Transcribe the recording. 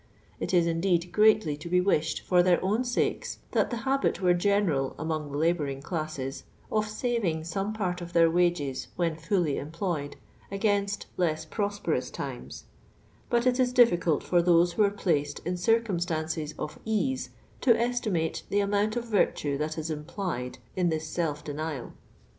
It is, in deed, preatly to be wished, for their own sakes, that the habit were general among the labouring I classes of saving some p;irt of their watjea when \ fully employed, ai^aiuht less prosperous times; but i it is difficult for those who are placed in circum j stances of ease to inthiwfe tlu amount of virti'e ih(U is imitfiful in this JtfiJjift'.nial.